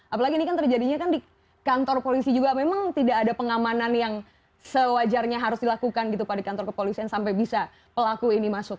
apalagi ini kan terjadinya kan di kantor polisi juga memang tidak ada pengamanan yang sewajarnya harus dilakukan gitu pak di kantor kepolisian sampai bisa pelaku ini masuk